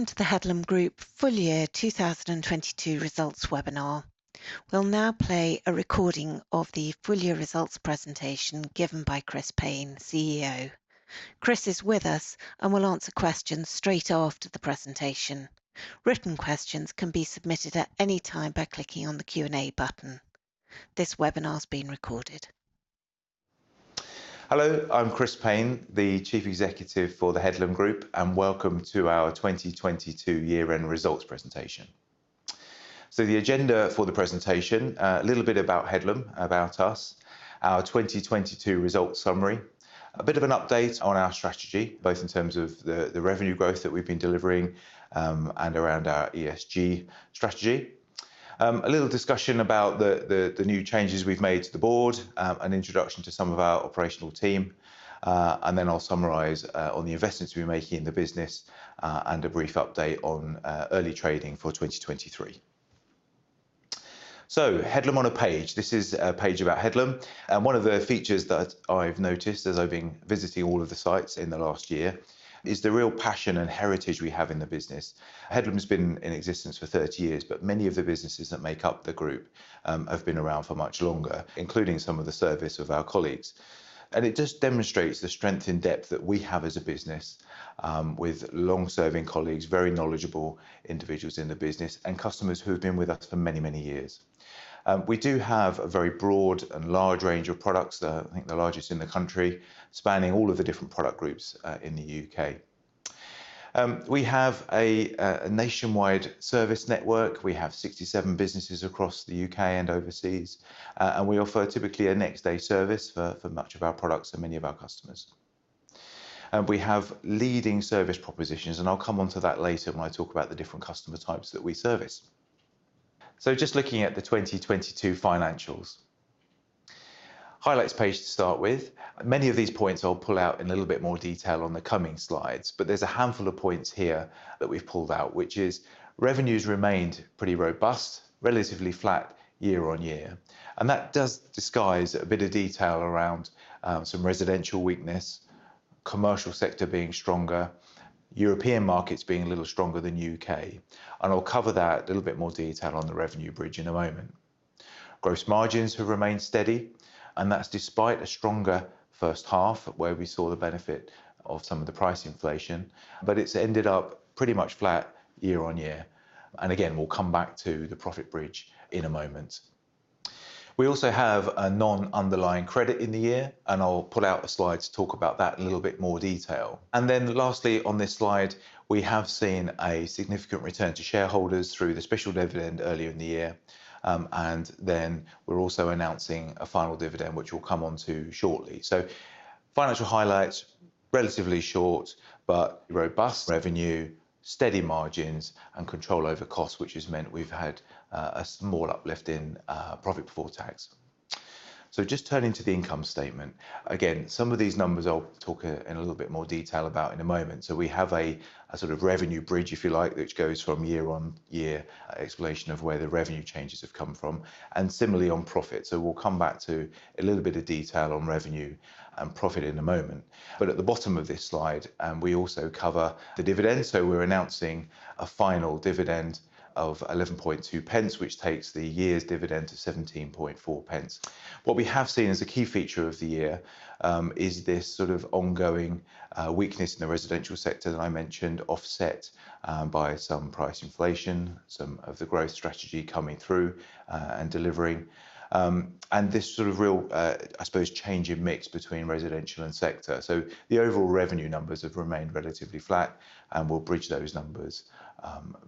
Welcome to the Headlam Group full year 2022 results webinar. We'll now play a recording of the full year results presentation given by Chris Payne, CEO. Chris is with us and will answer questions straight after the presentation. Written questions can be submitted at any time by clicking on the Q&A button. This webinar is being recorded. Hello, I'm Chris Payne, the Chief Executive for the Headlam Group. Welcome to our 2022 year-end results presentation. The agenda for the presentation, a little bit about Headlam, about us, our 2022 results summary, a bit of an update on our strategy, both in terms of the revenue growth that we've been delivering, and around our ESG strategy. A little discussion about the new changes we've made to the board, an introduction to some of our operational team, then I'll summarize on the investments we're making in the business, and a brief update on early trading for 2023. Headlam on a page. This is a page about Headlam. One of the features that I've noticed as I've been visiting all of the sites in the last year is the real passion and heritage we have in the business. Headlam has been in existence for 30 years, but many of the businesses that make up the group have been around for much longer, including some of the service of our colleagues. It just demonstrates the strength and depth that we have as a business with long-serving colleagues, very knowledgeable individuals in the business and customers who have been with us for many, many years. We do have a very broad and large range of products, the, I think, the largest in the country, spanning all of the different product groups in the U.K. We have a nationwide service network. We have 67 businesses across the U.K and overseas, and we offer typically a next-day service for much of our products and many of our customers. We have leading service propositions, and I'll come onto that later when I talk about the different customer types that we service. Just looking at the 2022 financials. Highlights page to start with. Many of these points I'll pull out in a little bit more detail on the coming slides, but there's a handful of points here that we've pulled out, which is revenues remained pretty robust, relatively flat year on year. That does disguise a bit of detail around some residential weakness, commercial sector being stronger, European markets being a little stronger than U.K. I'll cover that in a little bit more detail on the revenue bridge in a moment. Gross margins have remained steady, that's despite a stronger first half where we saw the benefit of some of the price inflation. It's ended up pretty much flat year-on-year. Again, we'll come back to the profit bridge in a moment. We also have a non-underlying credit in the year, I'll pull out a slide to talk about that in a little bit more detail. Lastly on this slide, we have seen a significant return to shareholders through the special dividend earlier in the year. We're also announcing a final dividend which we'll come on to shortly. Financial highlights, relatively short, but robust revenue, steady margins and control over costs, which has meant we've had a small uplift in profit before tax. Just turning to the income statement. Again, some of these numbers I'll talk in a little bit more detail about in a moment. We have a sort of revenue bridge, if you like, which goes from year-over-year explanation of where the revenue changes have come from and similarly on profit. We'll come back to a little bit of detail on revenue and profit in a moment. At the bottom of this slide, we also cover the dividend. We're announcing a final dividend of 0.112, which takes the year's dividend to 0.174. What we have seen as a key feature of the year, is this sort of ongoing weakness in the residential sector that I mentioned, offset by some price inflation, some of the growth strategy coming through and delivering. This sort of real, I suppose change in mix between residential and sector. The overall revenue numbers have remained relatively flat and we'll bridge those numbers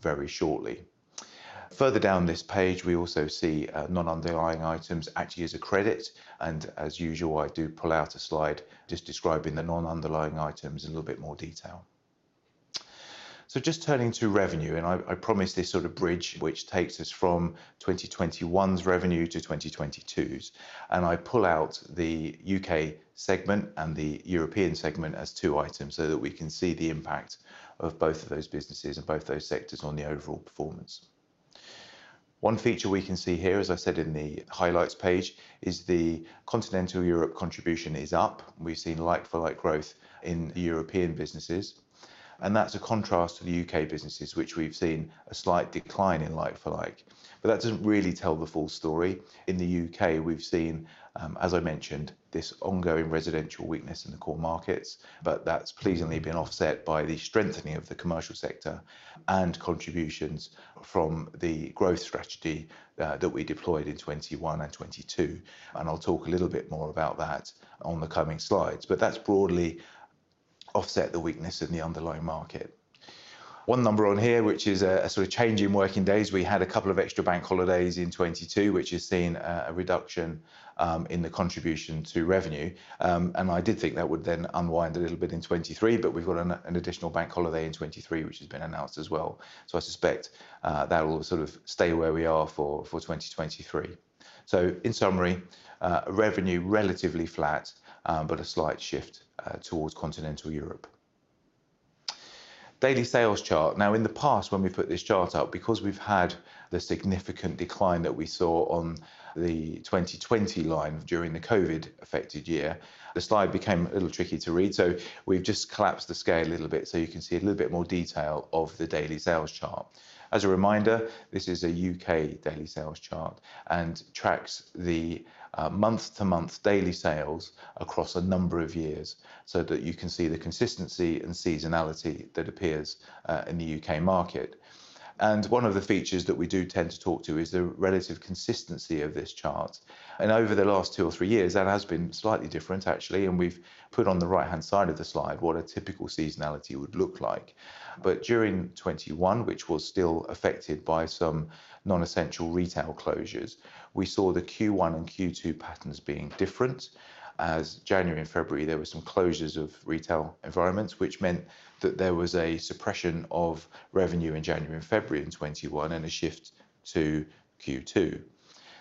very shortly. Further down this page, we also see non-underlying items actually as a credit. As usual, I do pull out a slide just describing the non-underlying items in a little bit more detail. Just turning to revenue, and I promise this sort of bridge which takes us from 2021's revenue to 2022's. I pull out the U.K segment and the European segment as two items so that we can see the impact of both of those businesses and both those sectors on the overall performance. One feature we can see here, as I said in the highlights page, is the Continental Europe contribution is up. We've seen like-for-like growth in the European businesses. That's a contrast to the U.K businesses, which we've seen a slight decline in like-for-like. That doesn't really tell the full story. In the U.K, we've seen, as I mentioned, this ongoing residential weakness in the core markets. That's pleasingly been offset by the strengthening of the commercial sector and contributions from the growth strategy that we deployed in 2021 and 2022. I'll talk a little bit more about that on the coming slides. That's broadly offset the weakness in the underlying market. One number on here, which is a sort of change in working days. We had a couple of extra bank holidays in 2022, which has seen a reduction in the contribution to revenue. I did think that would then unwind a little bit in 2023. We've got an additional bank holiday in 2023, which has been announced as well. I suspect that will sort of stay where we are for 2023. In summary, revenue relatively flat, a slight shift towards Continental Europe. Daily sales chart. In the past, when we put this chart up, because we've had the significant decline that we saw on the 2020 line during the COVID-affected year, the slide became a little tricky to read. We've just collapsed the scale a little bit so you can see a little bit more detail of the daily sales chart. As a reminder, this is a U.K. daily sales chart, and tracks the month-to-month daily sales across a number of years so that you can see the consistency and seasonality that appears in the U.K. market. One of the features that we do tend to talk to is the relative consistency of this chart. Over the last two or three years, that has been slightly different actually, and we've put on the right-hand side of the slide what a typical seasonality would look like. During 2021, which was still affected by some non-essential retail closures, we saw the Q1 and Q2 patterns being different as January and February, there were some closures of retail environments, which meant that there was a suppression of revenue in January and February in 2021 and a shift to Q2.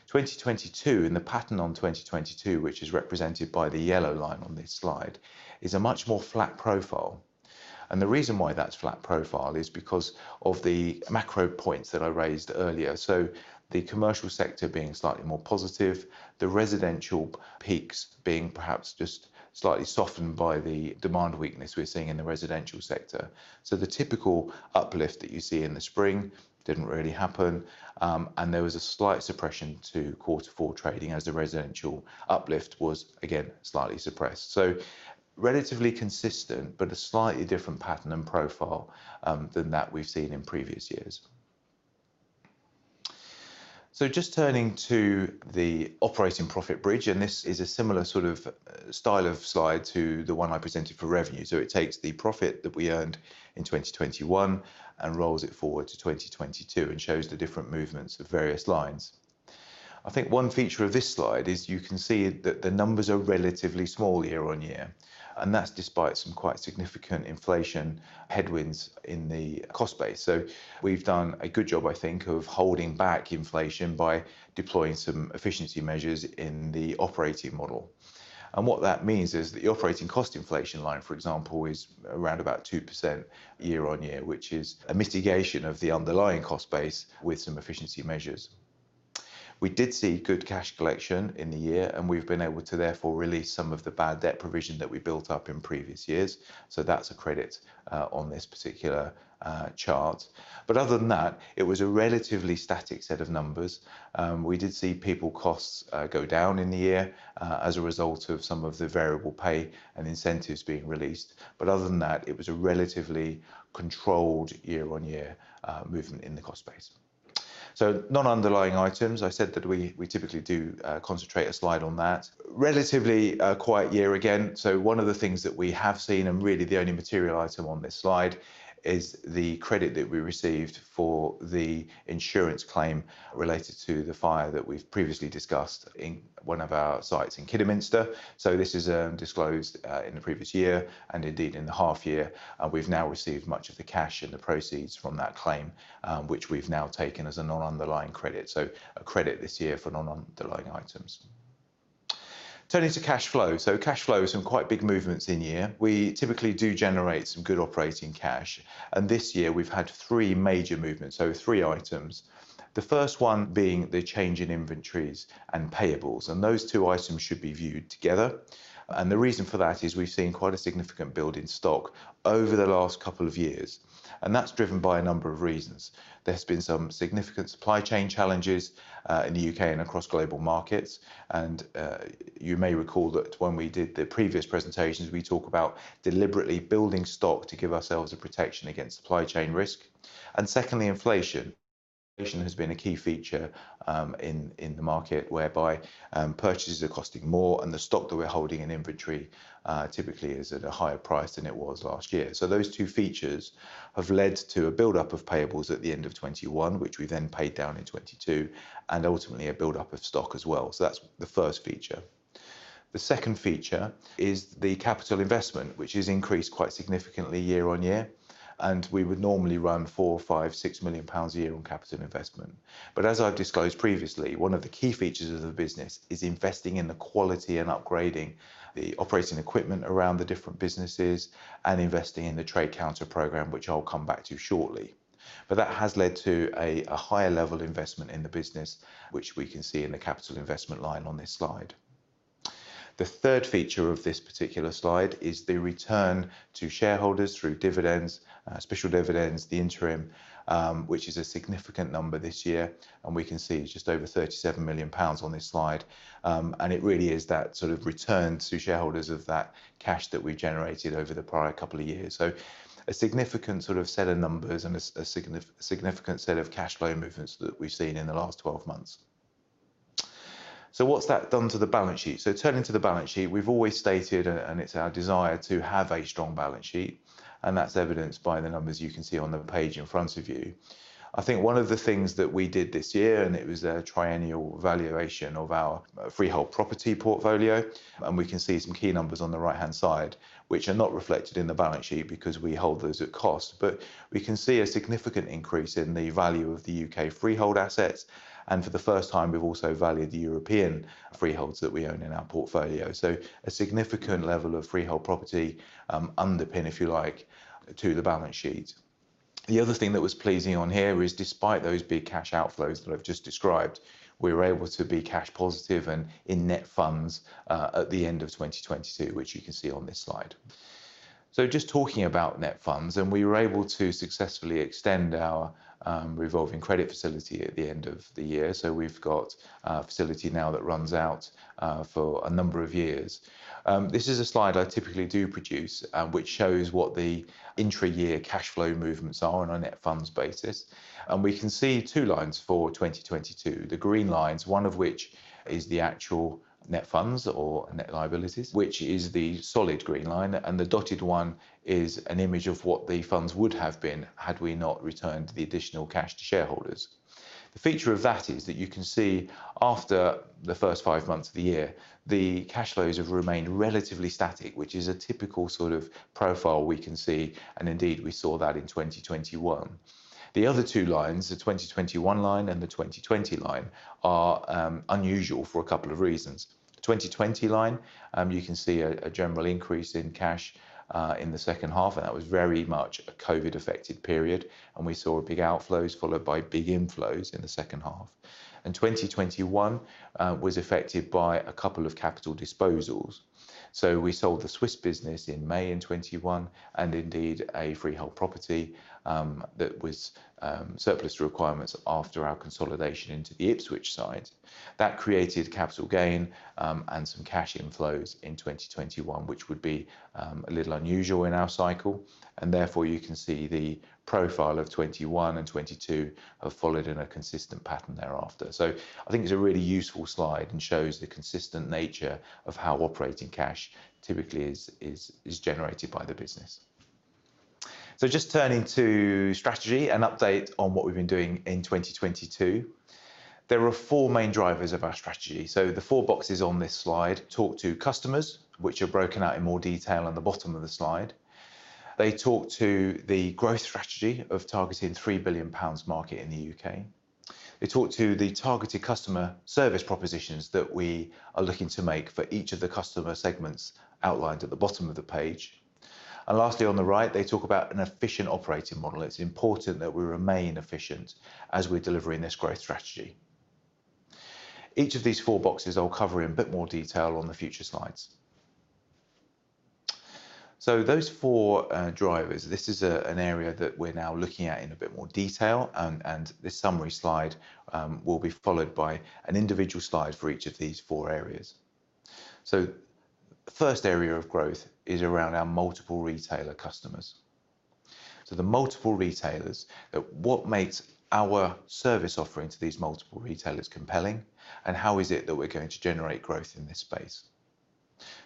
2022, the pattern on 2022, which is represented by the yellow line on this slide, is a much more flat profile. The reason why that's flat profile is because of the macro points that I raised earlier. The commercial sector being slightly more positive, the residential peaks being perhaps just slightly softened by the demand weakness we're seeing in the residential sector. The typical uplift that you see in the spring didn't really happen, and there was a slight suppression to quarter four trading as the residential uplift was again slightly suppressed. Relatively consistent, but a slightly different pattern and profile than that we've seen in previous years. Just turning to the operating profit bridge, and this is a similar sort of style of slide to the one I presented for revenue. It takes the profit that we earned in 2021 and rolls it forward to 2022 and shows the different movements of various lines. I think one feature of this slide is you can see that the numbers are relatively small year-over-year, and that's despite some quite significant inflation headwinds in the cost base. We've done a good job, I think, of holding back inflation by deploying some efficiency measures in the operating model. What that means is the operating cost inflation line, for example, is around about 2% year-over-year, which is a mitigation of the underlying cost base with some efficiency measures. We did see good cash collection in the year, and we've been able to therefore release some of the bad debt provision that we built up in previous years. That's a credit on this particular chart. Other than that, it was a relatively static set of numbers. We did see people costs go down in the year as a result of some of the variable pay and incentives being released. Other than that, it was a relatively controlled year on year movement in the cost base. Non-underlying items, I said that we typically do concentrate a slide on that. Relatively a quiet year again. One of the things that we have seen and really the only material item on this slide is the credit that we received for the insurance claim related to the fire that we've previously discussed in one of our sites in Kidderminster. This is disclosed in the previous year and indeed in the half year. We've now received much of the cash and the proceeds from that claim, which we've now taken as a non-underlying credit. A credit this year for non-underlying items. Turning to cash flow. Cash flow, some quite big movements in year. We typically do generate some good operating cash. This year we've had three major movements. Three items. The first one being the change in inventories and payables. Those two items should be viewed together. The reason for that is we've seen quite a significant build in stock over the last couple of years. That's driven by a number of reasons. There's been some significant supply chain challenges in the U.K. and across global markets. You may recall that when we did the previous presentations, we talk about deliberately building stock to give ourselves a protection against supply chain risk. Secondly, inflation. Inflation has been a key feature in the market whereby purchases are costing more and the stock that we're holding in inventory typically is at a higher price than it was last year. Those two features have led to a buildup of payables at the end of 2021, which we then paid down in 2022 and ultimately a buildup of stock as well. That's the first feature. The second feature is the capital investment, which has increased quite significantly year on year. We would normally run 4 million-6 million pounds a year on capital investment. As I've disclosed previously, one of the key features of the business is investing in the quality and upgrading the operating equipment around the different businesses and investing in the trade counter program, which I'll come back to shortly. That has led to a higher level investment in the business, which we can see in the capital investment line on this slide. The third feature of this particular slide is the return to shareholders through dividends, special dividends, the interim, which is a significant number this year. We can see it's just over 37 million pounds on this slide. It really is that sort of return to shareholders of that cash that we generated over the prior couple of years. A significant sort of set of numbers and a significant set of cash flow movements that we've seen in the last 12 months. What's that done to the balance sheet? Turning to the balance sheet, we've always stated and it's our desire to have a strong balance sheet, and that's evidenced by the numbers you can see on the page in front of you. I think one of the things that we did this year, and it was a triennial valuation of our freehold property portfolio, and we can see some key numbers on the right-hand side which are not reflected in the balance sheet because we hold those at cost. We can see a significant increase in the value of the U.K. freehold assets, and for the first time, we've also valued the European freeholds that we own in our portfolio. A significant level of freehold property, underpin, if you like, to the balance sheet. The other thing that was pleasing on here is despite those big cash outflows that I've just described, we were able to be cash positive and in net funds at the end of 2022, which you can see on this slide. Just talking about net funds, and we were able to successfully extend our revolving credit facility at the end of the year. We've got a facility now that runs out for a number of years. This is a slide I typically do produce, which shows what the intra-year cash flow movements are on a net funds basis. We can see two lines for 2022. The green lines, one of which is the actual net funds or net liabilities, which is the solid green line, and the dotted one is an image of what the funds would have been had we not returned the additional cash to shareholders. The feature of that is that you can see after the first five months of the year, the cash flows have remained relatively static, which is a typical sort of profile we can see, and indeed, we saw that in 2021. The other two lines, the 2021 line and the 2020 line, are unusual for a couple of reasons. The 2020 line, you can see a general increase in cash in the second half, and that was very much a COVID-affected period. We saw big outflows followed by big inflows in the second half. 2021 was affected by a couple of capital disposals. We sold the Swiss business in May in 2021 and indeed a freehold property that was surplus to requirements after our consolidation into the Ipswich site. That created capital gain and some cash inflows in 2021, which would be a little unusual in our cycle, and therefore, you can see the profile of 2021 and 2022 have followed in a consistent pattern thereafter. I think it's a really useful slide and shows the consistent nature of how operating cash typically is generated by the business. Just turning to strategy, an update on what we've been doing in 2022. There are four main drivers of our strategy. The four boxes on this slide talk to customers, which are broken out in more detail on the bottom of the slide. They talk to the growth strategy of targeting 3 billion pounds market in the U.K. They talk to the targeted customer service propositions that we are looking to make for each of the customer segments outlined at the bottom of the page. Lastly, on the right, they talk about an efficient operating model. It's important that we remain efficient as we're delivering this growth strategy. Each of these four boxes I'll cover in a bit more detail on the future slides. Those four drivers, this is an area that we're now looking at in a bit more detail and this summary slide will be followed by an individual slide for each of these four areas. First area of growth is around our multiple retailer customers. The multiple retailers, what makes our service offering to these multiple retailers compelling, and how is it that we're going to generate growth in this space?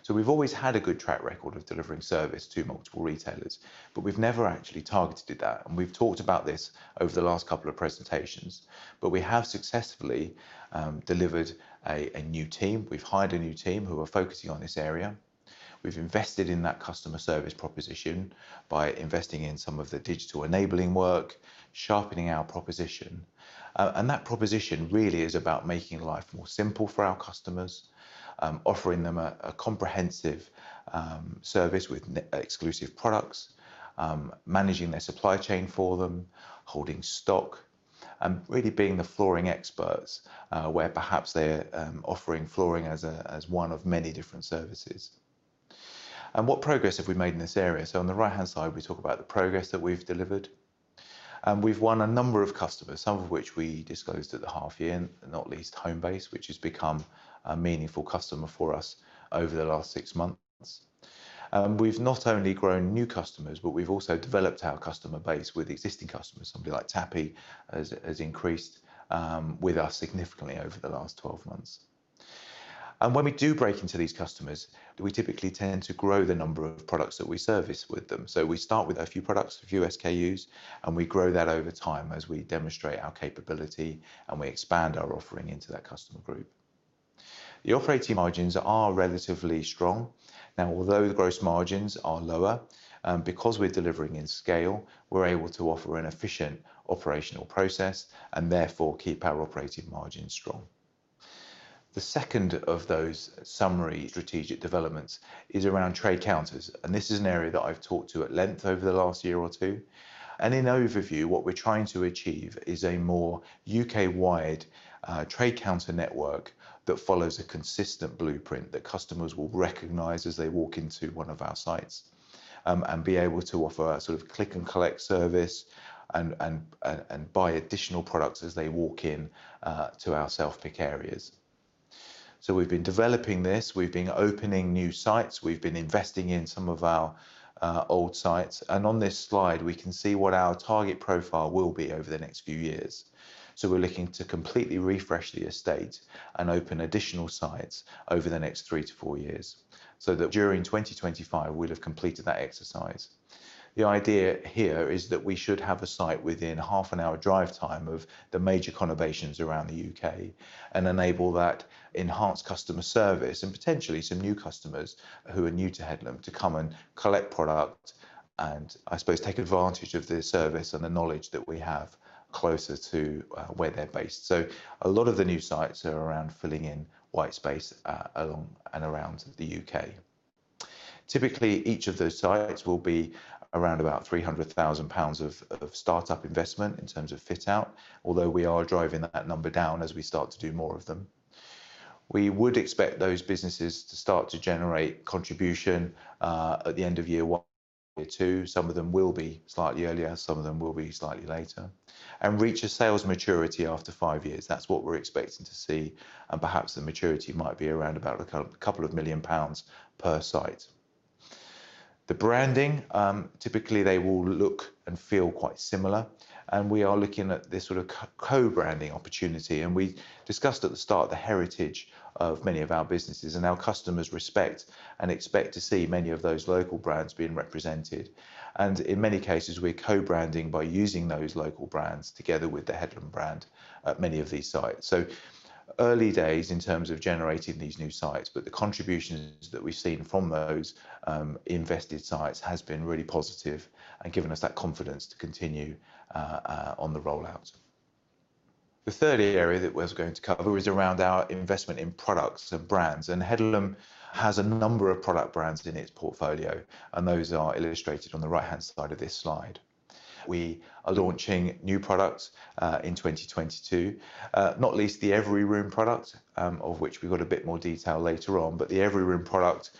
We've always had a good track record of delivering service to multiple retailers, but we've never actually targeted that. We've talked about this over the last couple of presentations, but we have successfully delivered a new team. We've hired a new team who are focusing on this area. We've invested in that customer service proposition by investing in some of the digital enabling work, sharpening our proposition. That proposition really is about making life more simple for our customers, offering them a comprehensive service with exclusive products, managing their supply chain for them, holding stock, and really being the flooring experts, where perhaps they're offering flooring as one of many different services. What progress have we made in this area? On the right-hand side, we talk about the progress that we've delivered, and we've won a number of customers, some of which we disclosed at the half year, not least Homebase, which has become a meaningful customer for us over the last six months. We've not only grown new customers, but we've also developed our customer base with existing customers. Somebody like Tapi has increased with us significantly over the last 12 months. When we do break into these customers, we typically tend to grow the number of products that we service with them. We start with a few products, a few SKUs, and we grow that over time as we demonstrate our capability and we expand our offering into that customer group. The operating margins are relatively strong. Although the gross margins are lower, because we're delivering in scale, we're able to offer an efficient operational process and therefore keep our operating margins strong. The second of those summary strategic developments is around trade counters, and this is an area that I've talked to at length over the last year or two. In overview, what we're trying to achieve is a more U.K-wide, trade counter network that follows a consistent blueprint that customers will recognize as they walk into one of our sites, and be able to offer a sort of click and collect service and buy additional products as they walk in, to our self-pick areas. We've been developing this. We've been opening new sites. We've been investing in some of our, old sites. On this slide, we can see what our target profile will be over the next few years. We're looking to completely refresh the estate and open additional sites over the next three to four years so that during 2025 we'll have completed that exercise. The idea here is that we should have a site within half an hour drive time of the major conurbations around the U.K and enable that enhanced customer service and potentially some new customers who are new to Headlam to come and collect product. I suppose take advantage of the service and the knowledge that we have closer to where they're based. A lot of the new sites are around filling in white space along and around the U.K. Typically, each of those sites will be around about 300,000 pounds of startup investment in terms of fit-out, although we are driving that number down as we start to do more of them. We would expect those businesses to start to generate contribution at the end of year one or year two. Some of them will be slightly earlier, some of them will be slightly later, and reach a sales maturity after five years. That's what we're expecting to see, and perhaps the maturity might be around about a couple of million pounds per site. The branding, typically they will look and feel quite similar, and we are looking at this sort of co-branding opportunity, and we discussed at the start the heritage of many of our businesses and our customers' respect and expect to see many of those local brands being represented. In many cases, we're co-branding by using those local brands together with the Headlam brand at many of these sites. Early days in terms of generating these new sites, but the contributions that we've seen from those invested sites has been really positive and given us that confidence to continue on the rollout. The third area that we're going to cover is around our investment in products and brands. Headlam has a number of product brands in its portfolio, and those are illustrated on the right-hand side of this slide. We are launching new products in 2022, not least the Everyroom product, of which we've got a bit more detail later on. The Everyroom product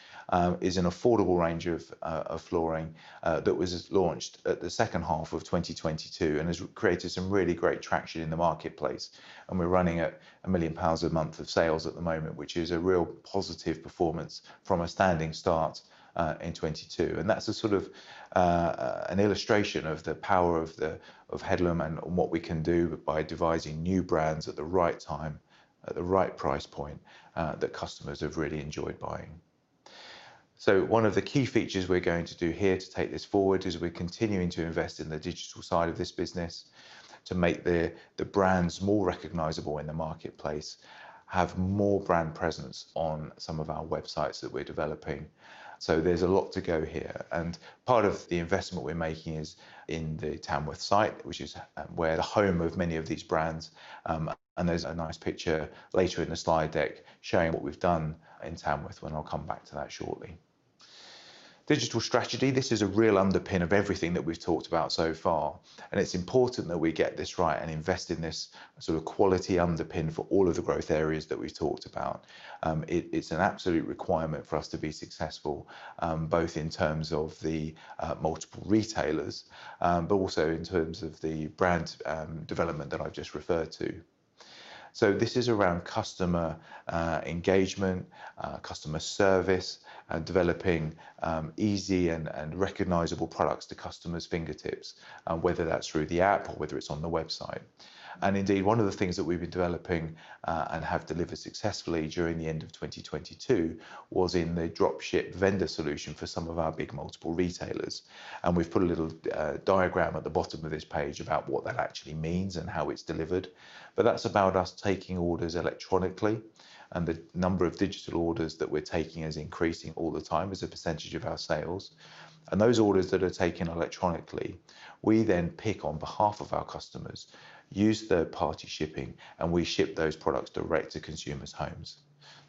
is an affordable range of flooring that was just launched at the second half of 2022 and has created some really great traction in the marketplace. We're running at 1 million pounds a month of sales at the moment, which is a real positive performance from a standing start in 2022. That's a sort of an illustration of the power of Headlam and what we can do by devising new brands at the right time, at the right price point, that customers have really enjoyed buying. One of the key features we're going to do here to take this forward is we're continuing to invest in the digital side of this business to make the brands more recognizable in the marketplace, have more brand presence on some of our websites that we're developing. There's a lot to go here, and part of the investment we're making is in the Tamworth site, which is where the home of many of these brands, and there's a nice picture later in the slide deck showing what we've done in Tamworth, and I'll come back to that shortly. Digital strategy. This is a real underpin of everything that we've talked about so far, and it's important that we get this right and invest in this sort of quality underpin for all of the growth areas that we've talked about. It's an absolute requirement for us to be successful, both in terms of the multiple retailers, but also in terms of the brand development that I've just referred to. This is around customer engagement, customer service and developing easy and recognizable products to customers' fingertips, whether that's through the app or whether it's on the website. One of the things that we've been developing and have delivered successfully during the end of 2022 was in the Drop Ship Vendor solution for some of our big multiple retailers. We've put a little diagram at the bottom of this page about what that actually means and how it's delivered. That's about us taking orders electronically and the number of digital orders that we're taking is increasing all the time as a percentage of our sales. Those orders that are taken electronically, we then pick on behalf of our customers, use third-party shipping, and we ship those products direct to consumers' homes.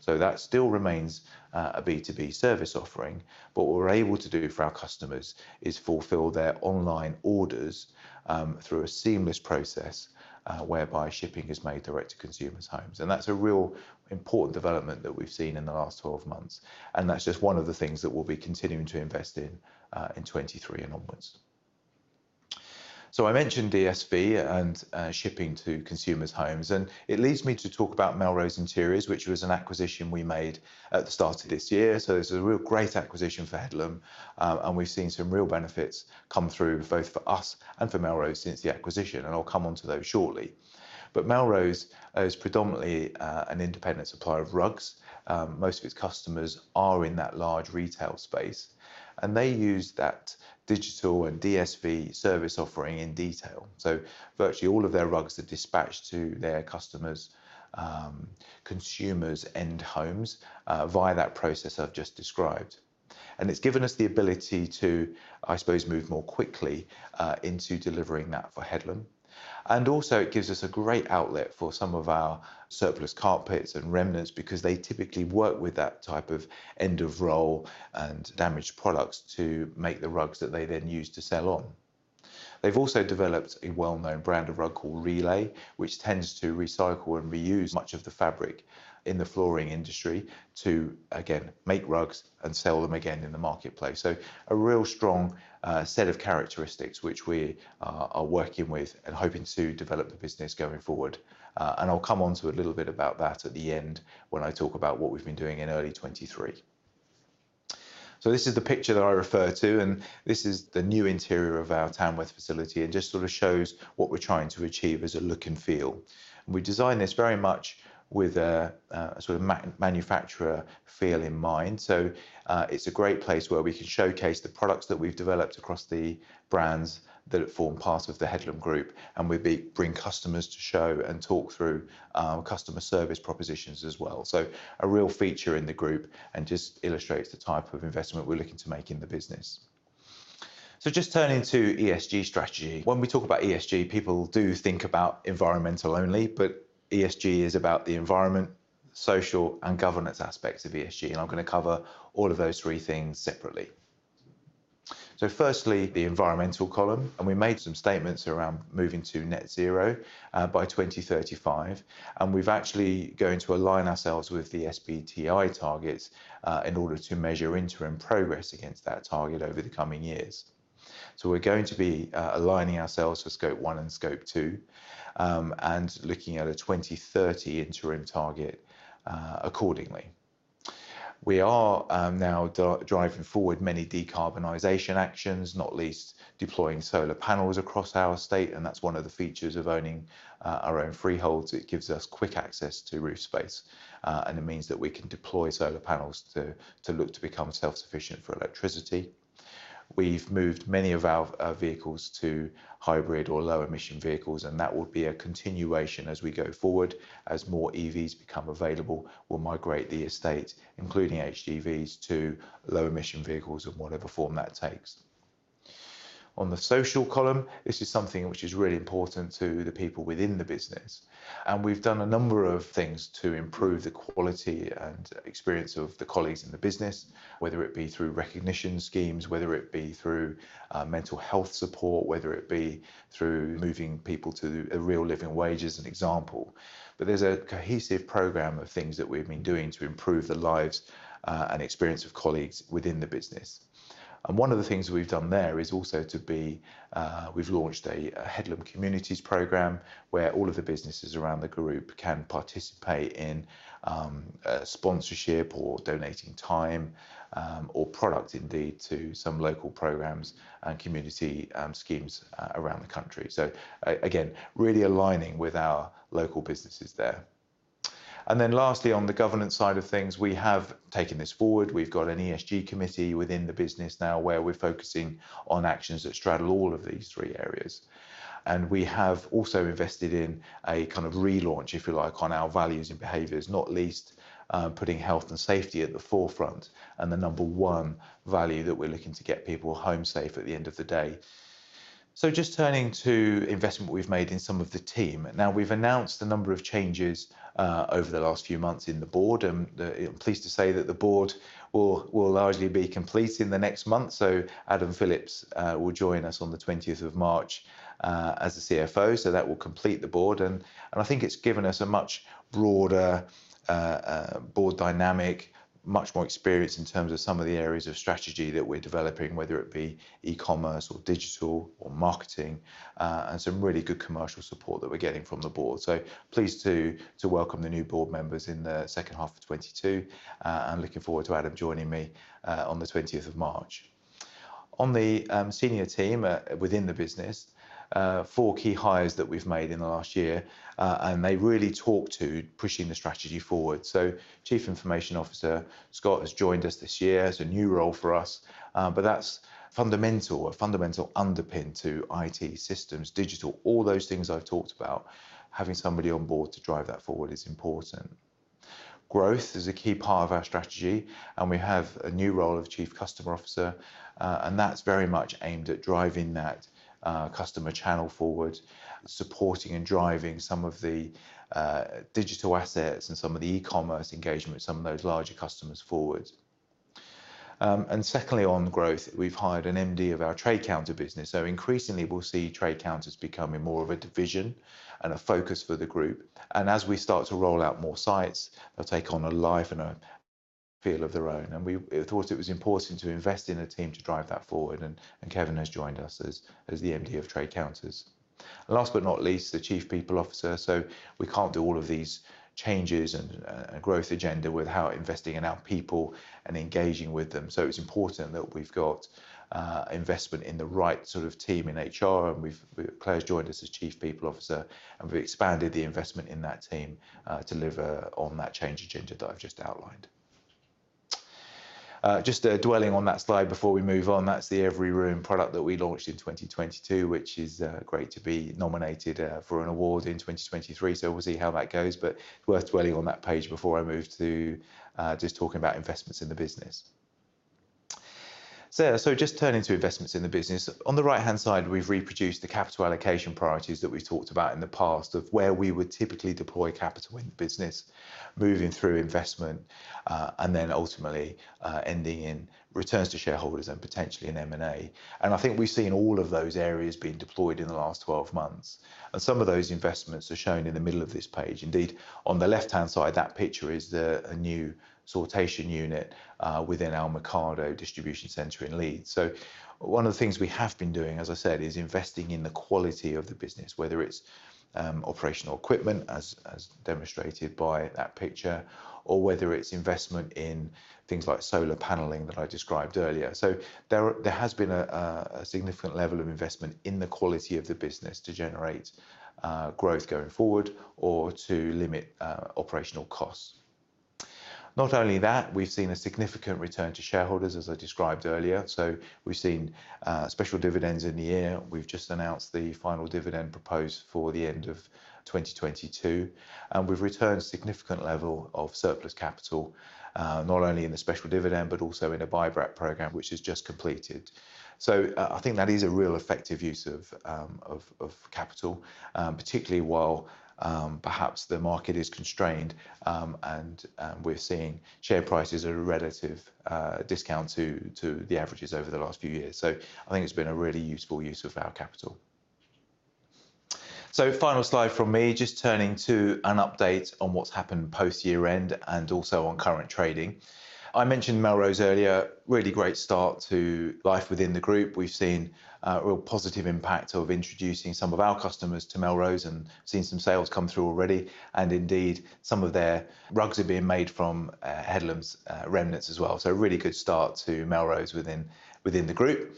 That still remains a B2B service offering, but what we're able to do for our customers is fulfill their online orders through a seamless process whereby shipping is made direct to consumers' homes. That's a real important development that we've seen in the last 12 months, and that's just one of the things that we'll be continuing to invest in in 2023 and onwards. I mentioned DSV and shipping to consumers' homes, and it leads me to talk about Melrose Interiors, which was an acquisition we made at the start of this year. This was a real great acquisition for Headlam, and we've seen some real benefits come through both for us and for Melrose since the acquisition, and I'll come onto those shortly. Melrose is predominantly an independent supplier of rugs. Most of its customers are in that large retail space, and they use that digital and DSV service offering in detail. Virtually all of their rugs are dispatched to their customers', consumers' end homes, via that process I've just described. It's given us the ability to, I suppose, move more quickly, into delivering that for Headlam. It gives us a great outlet for some of our surplus carpets and remnants because they typically work with that type of end-of-roll and damaged products to make the rugs that they then use to sell on. They've also developed a well-known brand of rug called [RE]lay, which tends to recycle and reuse much of the fabric in the flooring industry to, again, make rugs and sell them again in the marketplace. A real strong set of characteristics which we are working with and hoping to develop the business going forward. I'll come on to a little bit about that at the end when I talk about what we've been doing in early 2023. This is the picture that I referred to, and this is the new interior of our Tamworth facility. It just sort of shows what we're trying to achieve as a look and feel. We designed this very much with a sort of manufacturer feel in mind. It's a great place where we can showcase the products that we've developed across the brands that form part of the Headlam Group, and we bring customers to show and talk through our customer service propositions as well. A real feature in the group and just illustrates the type of investment we're looking to make in the business. Just turning to ESG strategy, when we talk about ESG, people do think about environmental only, but ESG is about the environment, social and governance aspects of ESG, and I'm gonna cover all of those three things separately. Firstly, the environmental column, and we made some statements around moving to Net Zero by 2035, and we've actually going to align ourselves with the SBTi targets in order to measure interim progress against that target over the coming years. We're going to be aligning ourselves for Scope 1 and Scope 2, and looking at a 2030 interim target accordingly. We are now driving forward many decarbonization actions, not least deploying solar panels across our estate, and that's one of the features of owning our own freeholds. It gives us quick access to roof space, and it means that we can deploy solar panels to look to become self-sufficient for electricity. We've moved many of our vehicles to hybrid or low emission vehicles, and that would be a continuation as we go forward. As more EVs become available, we'll migrate the estate, including HDVs, to low emission vehicles in whatever form that takes. On the social column, this is something which is really important to the people within the business, and we've done a number of things to improve the quality and experience of the colleagues in the business, whether it be through recognition schemes, whether it be through mental health support, whether it be through moving people to a Real Living Wage as an example. There's a cohesive program of things that we've been doing to improve the lives and experience of colleagues within the business. One of the things we've done there is also to be, we've launched a Headlam Communities program, where all of the businesses around the group can participate in sponsorship or donating time or product indeed to some local programs and community schemes around the country. Again, really aligning with our local businesses there. Lastly, on the governance side of things, we have taken this forward. We've got an ESG committee within the business now, where we're focusing on actions that straddle all of these three areas. We have also invested in a kind of relaunch, if you like, on our values and behaviors, not least, putting health and safety at the forefront and the number one value that we're looking to get people home safe at the end of the day. Just turning to investment we've made in some of the team. Now, we've announced a number of changes over the last few months in the board, and pleased to say that the board will largely be complete in the next month. Adam Phillips will join us on the 20th March as the CFO. That will complete the board, and I think it's given us a much broader board dynamic, much more experience in terms of some of the areas of strategy that we're developing, whether it be e-commerce or digital or marketing, and some really good commercial support that we're getting from the board. Pleased to welcome the new board members in the second half of 2022, and looking forward to Adam joining me on the 20th March. On the senior team within the business, four key hires that we've made in the last year, and they really talk to pushing the strategy forward. Chief Information Officer Kevin has joined us this year as a new role for us, but that's fundamental, a fundamental underpin to IT systems, digital, all those things I've talked about, having somebody on board to drive that forward is important. Growth is a key part of our strategy, and we have a new role of Chief Customer Officer, and that's very much aimed at driving that customer channel forward, supporting and driving some of the digital assets and some of the e-commerce engagement with some of those larger customers forward. Secondly, on growth, we've hired an MD of our Trade Counter business. Increasingly, we'll see Trade Counters becoming more of a division and a focus for the group. As we start to roll out more sites, they'll take on a life and a feel of their own. We thought it was important to invest in a team to drive that forward. Kevin has joined us as the MD of Trade Counters. Last but not least, the Chief People Officer. We can't do all of these changes and growth agenda without investing in our people and engaging with them. It's important that we've got investment in the right sort of team in HR, and Clare's joined us as Chief People Officer, and we've expanded the investment in that team to deliver on that change agenda that I've just outlined. Just dwelling on that slide before we move on. That's the Everyroom product that we launched in 2022, which is great to be nominated for an award in 2023, so we'll see how that goes. Worth dwelling on that page before I move to just talking about investments in the business. Just turning to investments in the business. On the right-hand side, we've reproduced the capital allocation priorities that we've talked about in the past of where we would typically deploy capital in the business, moving through investment, and then ultimately, ending in returns to shareholders and potentially in M&A. I think we've seen all of those areas being deployed in the last 12 months, and some of those investments are shown in the middle of this page. Indeed, on the left-hand side, that picture is the, a new sortation unit, within our Ocado distribution center in Leeds. One of the things we have been doing, as I said, is investing in the quality of the business, whether it's operational equipment as demonstrated by that picture, or whether it's investment in things like solar paneling that I described earlier. There has been a significant level of investment in the quality of the business to generate growth going forward or to limit operational costs. We've seen a significant return to shareholders as I described earlier. We've seen special dividends in the year. We've just announced the final dividend proposed for the end of 2022, and we've returned a significant level of surplus capital not only in the special dividend but also in a buyback program which has just completed. I think that is a real effective use of capital particularly while perhaps the market is constrained and we're seeing share prices at a relative discount to the averages over the last few years. I think it's been a really useful use of our capital. Final slide from me, just turning to an update on what's happened post year-end and also on current trading. I mentioned Melrose earlier. Really great start to life within the group. We've seen a real positive impact of introducing some of our customers to Melrose and seen some sales come through already and indeed some of their rugs are being made from Headlam's remnants as well, a really good start to Melrose within the group.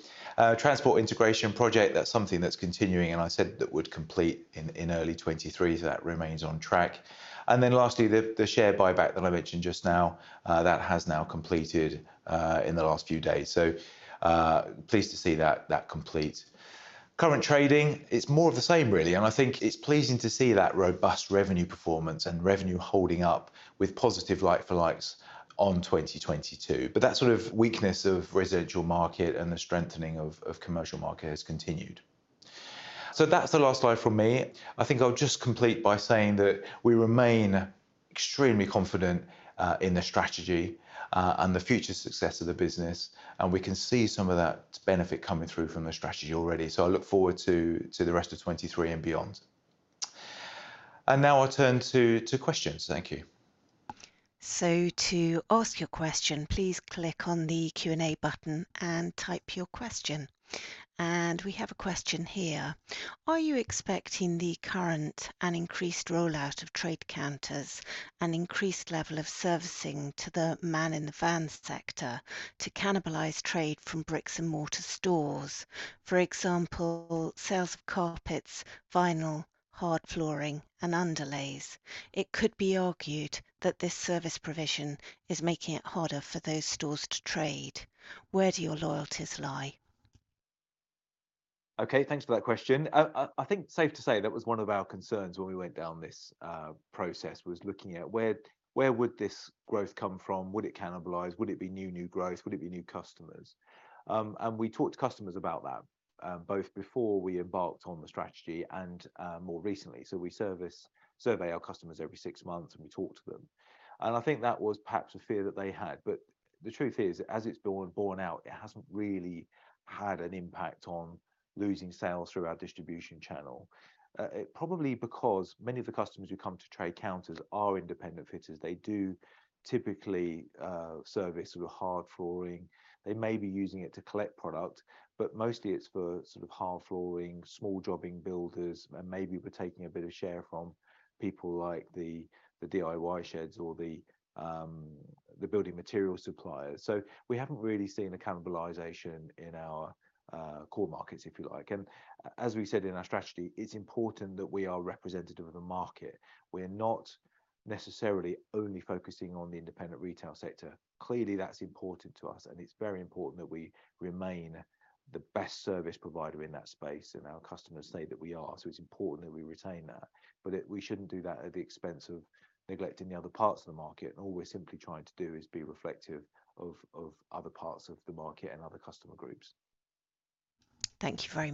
Transport integration project, that's something that's continuing and I said that would complete in early 2023, that remains on track. Lastly, the share buyback that I mentioned just now, that has now completed in the last few days, pleased to see that complete. Current trading is more of the same really, I think it's pleasing to see that robust revenue performance and revenue holding up with positive like for likes on 2022. That sort of weakness of residual market and the strengthening of commercial market has continued. That's the last slide from me. I think I'll just complete by saying that we remain extremely confident in the strategy and the future success of the business, and we can see some of that benefit coming through from the strategy already. I look forward to the rest of 2023 and beyond. Now I'll turn to questions. Thank you. To ask your question, please click on the Q&A button and type your question. We have a question here. Are you expecting the current and increased rollout of trade counters an increased level of servicing to the man in the van sector to cannibalize trade from bricks-and-mortar stores? For example, sales of carpets, vinyl, hard flooring, and underlays. It could be argued that this service provision is making it harder for those stores to trade. Where do your loyalties lie? Okay, thanks for that question. I think safe to say that was one of our concerns when we went down this process was looking at where would this growth come from? Would it cannibalize? Would it be new growth? Would it be new customers? We talked to customers about that, both before we embarked on the strategy and more recently. We survey our customers every six months, and we talk to them. I think that was perhaps a fear that they had. The truth is, as it's borne out, it hasn't really had an impact on losing sales through our distribution channel. Probably because many of the customers who come to trade counters are independent fitters. They do typically service sort of hard flooring. They may be using it to collect product, but mostly it's for sort of hard flooring, small jobbing builders, and maybe we're taking a bit of share from people like the DIY sheds or the building material suppliers. We haven't really seen a cannibalization in our core markets, if you like. As we said in our strategy, it's important that we are representative of the market. We're not necessarily only focusing on the independent retail sector. Clearly that's important to us, and it's very important that we remain the best service provider in that space and our customers say that we are, so it's important that we retain that. We shouldn't do that at the expense of neglecting the other parts of the market, and all we're simply trying to do is be reflective of other parts of the market and other customer groups. Thank you very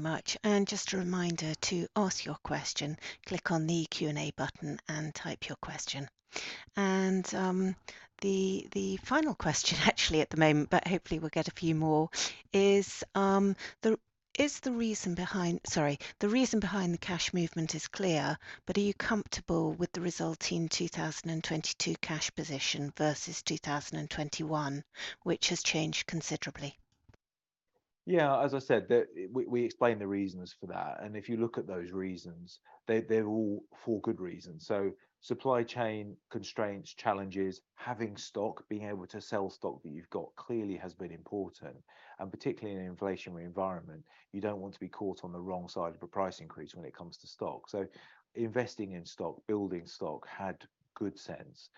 much. Just a reminder, to ask your question, click on the Q&A button and type your question. The final question actually at the moment, but hopefully we'll get a few more, is, Sorry, the reason behind the cash movement is clear, but are you comfortable with the resulting 2022 cash position versus 2021 which has changed considerably? As I said, we explained the reasons for that. If you look at those reasons, they're all for good reason. Supply chain constraints, challenges, having stock, being able to sell stock that you've got clearly has been important. Particularly in an inflationary environment, you don't want to be caught on the wrong side of a price increase when it comes to stock. Investing in stock, building stock had good sense.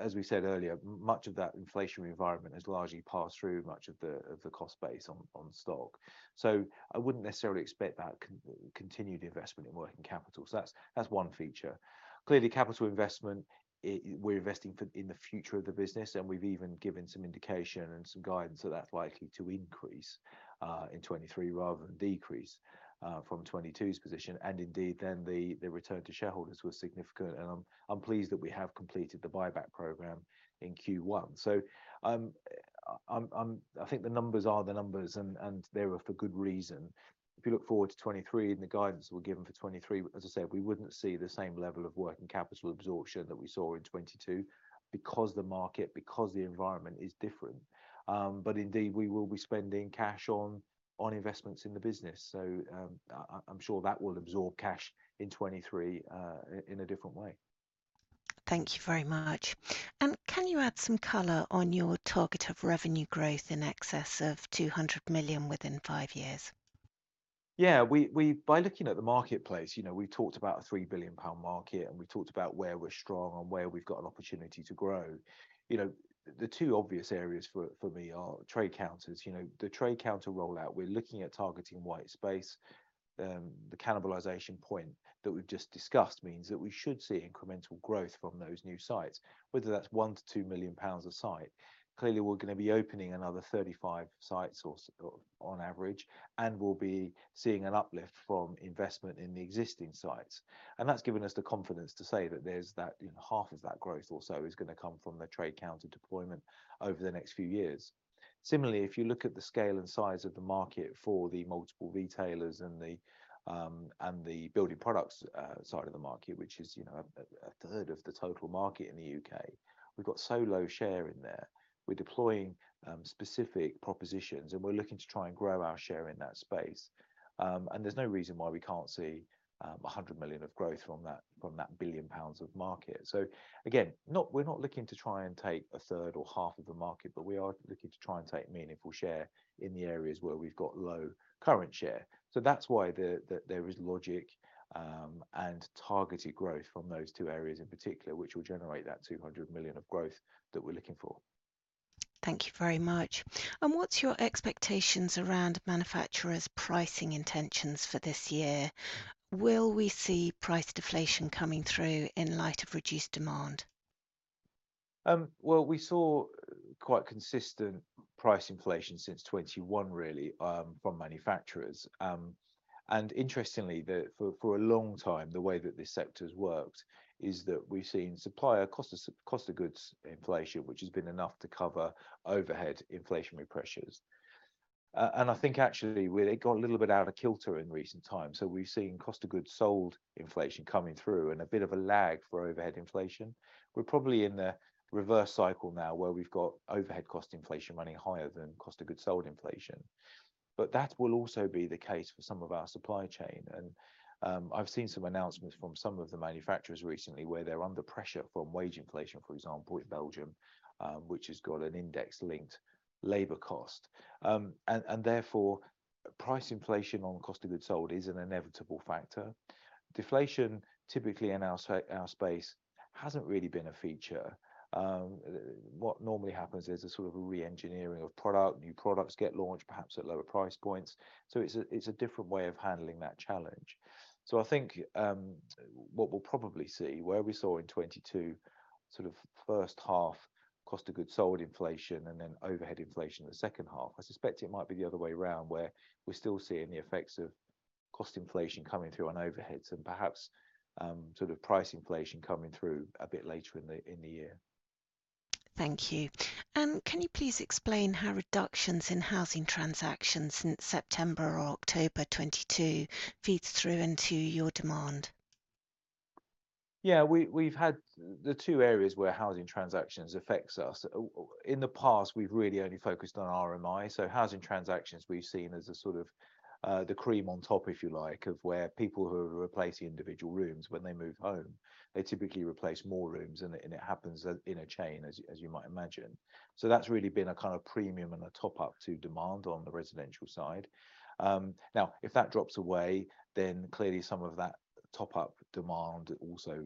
As we said earlier, much of that inflationary environment has largely passed through much of the cost base on stock. I wouldn't necessarily expect that continued investment in working capital. That's one feature. Clearly capital investment, we're investing in the future of the business, we've even given some indication and some guidance that that's likely to increase in 2023 rather than decrease from 2022's position. Indeed then the return to shareholders was significant, and I'm pleased that we have completed the buyback program in Q1. I think the numbers are the numbers and they were for good reason. If you look forward to 2023 and the guidance we've given for 2023, as I said, we wouldn't see the same level of working capital absorption that we saw in 2022 because the market, because the environment is different. Indeed we will be spending cash on investments in the business. I'm sure that will absorb cash in 2023 in a different way. Thank you very much. Can you add some color on your target of revenue growth in excess of 200 million within 5 years? Yeah, we, by looking at the marketplace, you know, we talked about a 3 billion pound market and we talked about where we're strong and where we've got an opportunity to grow. You know, the two obvious areas for me are trade counters. You know, the trade counter rollout we're looking at targeting white space. The cannibalization point that we've just discussed means that we should see incremental growth from those new sites, whether that's 1 million-2 million pounds a site. Clearly, we're gonna be opening another 35 sites or on average, and we'll be seeing an uplift from investment in the existing sites. And that's given us the confidence to say that, you know, half of that growth also is gonna come from the trade counter deployment over the next few years. Similarly, if you look at the scale and size of the market for the multiple retailers and the building products side of the market, which is, you know, 1/3 of the total market in the U.K., we've got so low share in there. We're deploying specific propositions and we're looking to try and grow our share in that space. And there's no reason why we can't see 100 million of growth from that, from that 1 billion pounds of market. Again, we're not looking to try and take 1/3 or half of the market, but we are looking to try and take meaningful share in the areas where we've got low current share. That's why the there is logic, and targeted growth from those two areas in particular, which will generate that 200 million of growth that we're looking for. Thank you very much. What's your expectations around manufacturers' pricing intentions for this year? Will we see price deflation coming through in light of reduced demand? Well, we saw quite consistent price inflation since 2021 really from manufacturers. Interestingly, the, for a long time, the way that this sector's worked is that we've seen supplier cost of goods inflation which has been enough to cover overhead inflationary pressures. I think actually where it got a little bit out of kilter in recent times, so we've seen cost of goods sold inflation coming through and a bit of a lag for overhead inflation. We're probably in the reverse cycle now where we've got overhead cost inflation running higher than cost of goods sold inflation. That will also be the case for some of our supply chain and, I've seen some announcements from some of the manufacturers recently where they're under pressure from wage inflation, for example, with Belgium, which has got an index-linked labor cost. Therefore price inflation on cost of goods sold is an inevitable factor. Deflation typically in our space hasn't really been a feature. What normally happens is a sort of a re-engineering of product. New products get launched perhaps at lower price points, so it's a different way of handling that challenge. I think, what we'll probably see where we saw in 2022 sort of first half cost of goods sold inflation and then overhead inflation in the second half, I suspect it might be the other way around, where we're still seeing the effects of cost inflation coming through on overheads and perhaps, sort of price inflation coming through a bit later in the, in the year. Thank you. Can you please explain how reductions in housing transactions since September or October 2022 feeds through into your demand? We've had the two areas where housing transactions affects us. In the past we've really only focused on RMI, so housing transactions we've seen as a sort of the cream on top if you like, of where people who are replacing individual rooms when they move home, they typically replace more rooms and it happens in a chain as you might imagine. That's really been a kind of premium and a top-up to demand on the residential side. Now if that drops away, then clearly some of that top-up demand also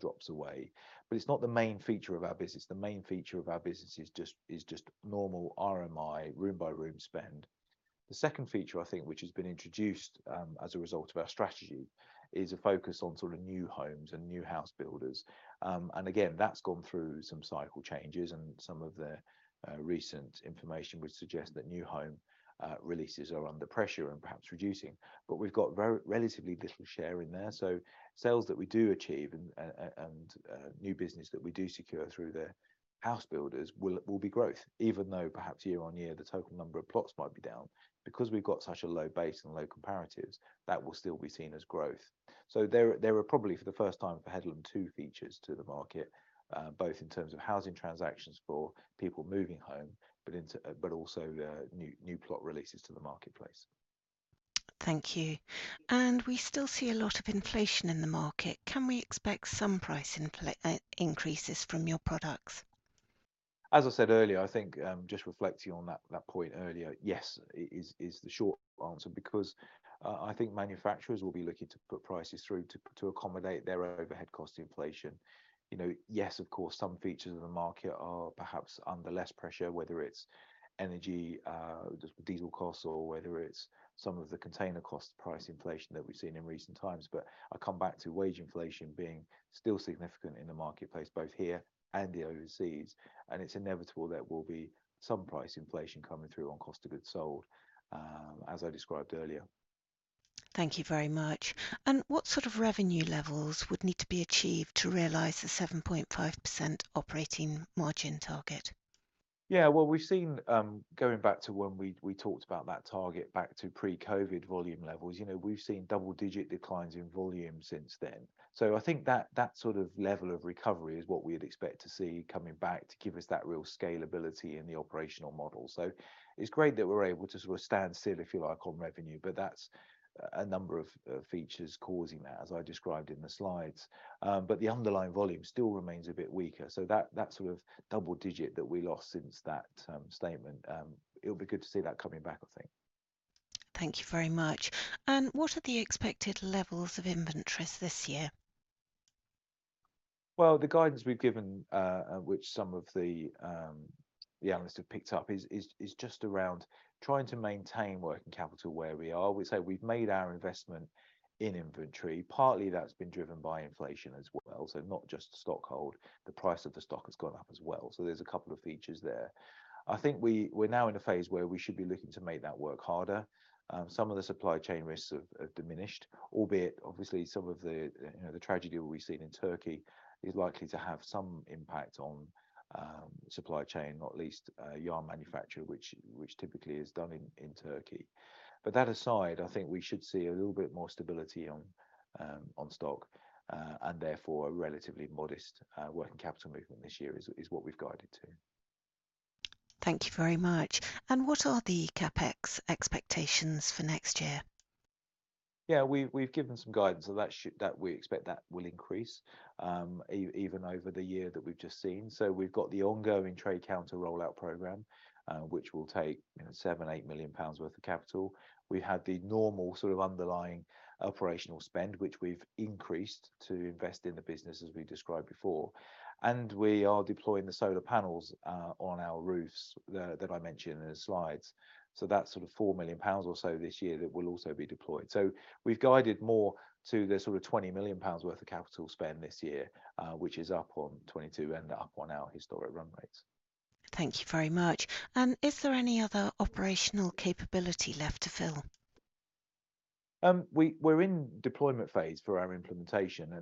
drops away, but it's not the main feature of our business. The main feature of our business is just normal RMI room by room spend. The second feature I think which has been introduced, as a result of our strategy is a focus on sort of new homes and new house builders. Again that's gone through some cycle changes and some of the recent information would suggest that new home releases are under pressure and perhaps reducing. We've got relatively little share in there so sales that we do achieve and new business that we do secure through the house builders will be growth even though perhaps year-on-year the total number of plots might be down. We've got such a low base and low comparatives that will still be seen as growth. There are probably for the first time for Headlam two features to the market, both in terms of housing transactions for people moving home but into, but also, new plot releases to the marketplace. Thank you. We still see a lot of inflation in the market. Can we expect some price increases from your products? As I said earlier I think, just reflecting on that point earlier, yes is the short answer because I think manufacturers will be looking to put prices through to accommodate their overhead cost inflation. You know, yes of course some features of the market are perhaps under less pressure whether it's energy, diesel costs or whether it's some of the container cost price inflation that we've seen in recent times. I come back to wage inflation being still significant in the marketplace both here and overseas and it's inevitable there will be some price inflation coming through on cost of goods sold, as I described earlier. Thank you very much. What sort of revenue levels would need to be achieved to realize the 7.5% operating margin target? Yeah. Well we've seen, going back to when we talked about that target back to pre-COVID volume levels you know we've seen double-digit declines in volume since then. I think that sort of level of recovery is what we'd expect to see coming back to give us that real scalability in the operational model. It's great that we're able to sort of stand still if you like on revenue but that's a number of features causing that as I described in the slides. The underlying volume still remains a bit weaker so that sort of double-digit that we lost since that statement, it'll be good to see that coming back I think. Thank you very much. What are the expected levels of inventories this year? The guidance we've given, which some of the analysts have picked up is just around trying to maintain working capital where we are. We say we've made our investment in inventory. Partly, that's been driven by inflation as well, so not just the stockhold. The price of the stock has gone up as well, so there's a couple of features there. I think we're now in a phase where we should be looking to make that work harder. Some of the supply chain risks have diminished, albeit obviously some of the, you know, the tragedy we've seen in Turkey is likely to have some impact on supply chain, not least yarn manufacture, which typically is done in Turkey. That aside, I think we should see a little bit more stability on stock, and therefore a relatively modest, working capital movement this year is what we've guided to. Thank you very much. What are the CapEx expectations for next year? Yeah. We've given some guidance that we expect that will increase even over the year that we've just seen. We've got the ongoing Trade Counter rollout program, which will take, you know, 7 million-8 million pounds worth of capital. We've had the normal sort of underlying operational spend, which we've increased to invest in the business as we described before, and we are deploying the solar panels on our roofs that I mentioned in the slides. That's sort of 4 million pounds or so this year that will also be deployed. We've guided more to the sort of 20 million pounds worth of capital spend this year, which is up on 2022 and up on our historic run rates. Thank you very much. Is there any other operational capability left to fill? We're in deployment phase for our implementation,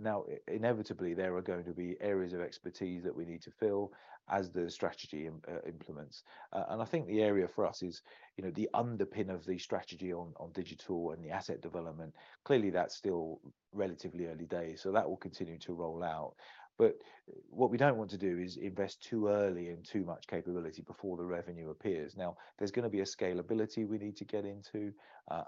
inevitably there are going to be areas of expertise that we need to fill as the strategy implements. I think the area for us is, you know, the underpin of the strategy on digital and the asset development. Clearly, that's still relatively early days, so that will continue to roll out. What we don't want to do is invest too early and too much capability before the revenue appears. There's gonna be a scalability we need to get into,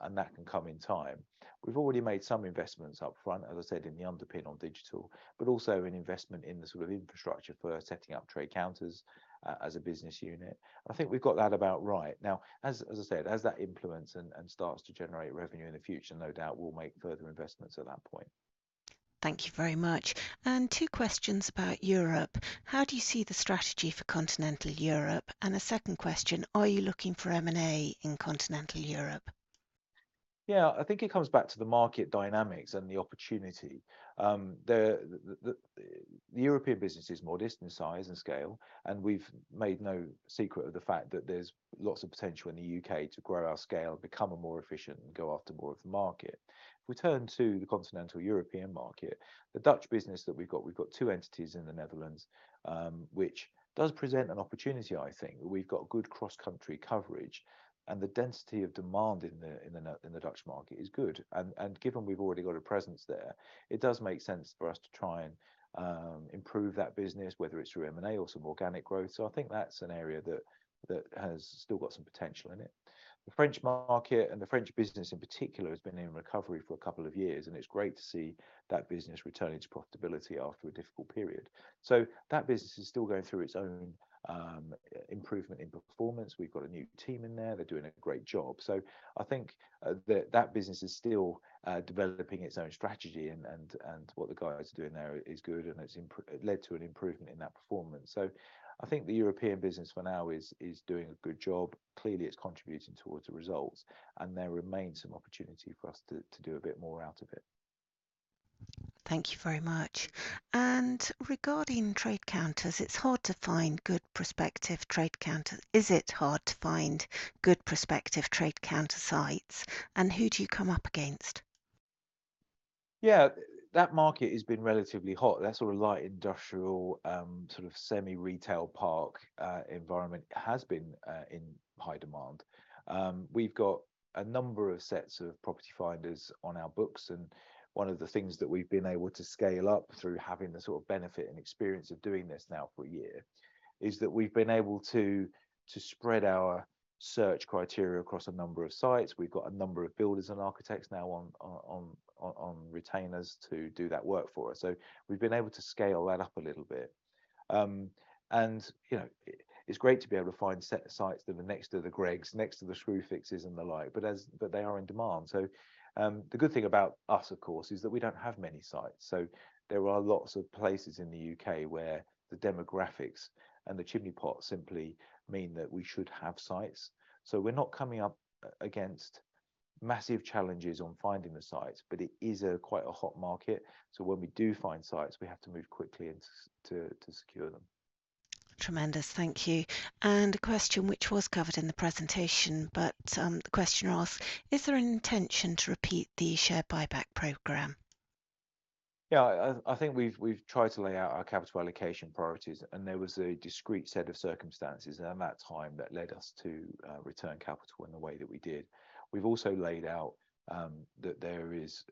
and that can come in time. We've already made some investments up front, as I said, in the underpin on digital, but also an investment in the sort of infrastructure for setting up Trade Counters as a business unit. I think we've got that about right. Now, as I said, as that implements and starts to generate revenue in the future, no doubt we'll make further investments at that point. Thank you very much. Two questions about Europe. How do you see the strategy for continental Europe? The second question, are you looking for M&A in continental Europe? Yeah. I think it comes back to the market dynamics and the opportunity. The European business is modest in size and scale, and we've made no secret of the fact that there's lots of potential in the U.K to grow our scale, become more efficient, and go after more of the market. If we turn to the continental European market, the Dutch business that we've got, we've got two entities in the Netherlands, which does present an opportunity, I think. We've got good cross-country coverage, and the density of demand in the Dutch market is good. Given we've already got a presence there, it does make sense for us to try and improve that business, whether it's through M&A or some organic growth. I think that's an area that has still got some potential in it. The French market and the French business in particular has been in recovery for a couple of years. It's great to see that business returning to profitability after a difficult period. That business is still going through its own improvement in performance. We've got a new team in there. They're doing a great job. I think that business is still developing its own strategy and what the guys are doing there is good, and it's led to an improvement in that performance. I think the European business for now is doing a good job. Clearly, it's contributing towards the results. There remains some opportunity for us to do a bit more out of it. Thank you very much. Regarding Trade Counters, it's hard to find good prospective Trade Counters. Is it hard to find good prospective Trade Counter sites, and who do you come up against? Yeah. That market has been relatively hot. That sort of light industrial, sort of semi-retail park, environment has been in high demand. We've got a number of sets of property finders on our books, and one of the things that we've been able to scale up through having the sort of benefit and experience of doing this now for a year is that we've been able to spread our search criteria across a number of sites. We've got a number of builders and architects now on retainers to do that work for us. We've been able to scale that up a little bit. You know, it's great to be able to find set sites that are next to the Greggs, next to the Screwfixes and the like. They are in demand. The good thing about us, of course, is that we don't have many sites. There are lots of places in the U.K where the demographics and the chimney pots simply mean that we should have sites. We're not coming up against massive challenges on finding the sites, but it is a quite a hot market, when we do find sites, we have to move quickly and to secure them. Tremendous. Thank you. A question which was covered in the presentation, the questioner asked, is there an intention to repeat the share buyback program? I think we've tried to lay out our capital allocation priorities. There was a discrete set of circumstances around that time that led us to return capital in the way that we did. We've also laid out that there is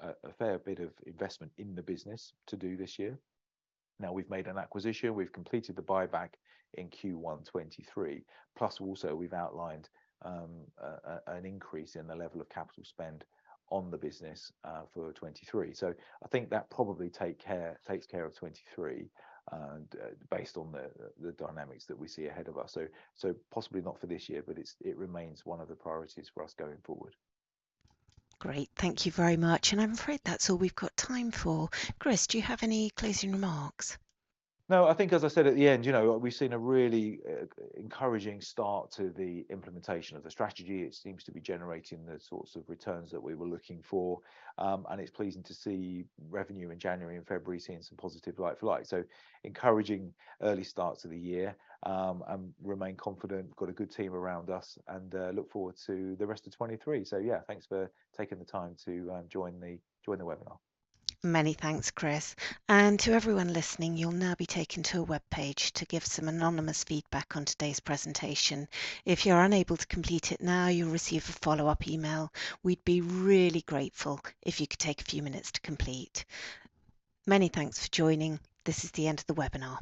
a fair bit of investment in the business to do this year. Now we've made an acquisition. We've completed the buyback in Q1 2023, plus also we've outlined an increase in the level of capital spend on the business for 2023. I think that probably takes care of 2023, based on the dynamics that we see ahead of us. Possibly not for this year, but it remains one of the priorities for us going forward. Great. Thank you very much. I'm afraid that's all we've got time for. Chris, do you have any closing remarks? No. I think, as I said at the end, you know, we've seen a really encouraging start to the implementation of the strategy. It seems to be generating the sorts of returns that we were looking for, and it's pleasing to see revenue in January and February seeing some positive like for like. Encouraging early starts of the year, and remain confident. Got a good team around us and, look forward to the rest of 2023. Yeah, thanks for taking the time to join the webinar. Many thanks, Chris. To everyone listening, you'll now be taken to a webpage to give some anonymous feedback on today's presentation. If you're unable to complete it now, you'll receive a follow-up email. We'd be really grateful if you could take a few minutes to complete. Many thanks for joining. This is the end of the webinar.